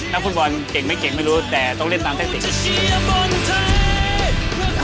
ถ้าคุณบอลเก่งไม่เก่งไม่รู้แต่ต้องเล่นตามเทคติก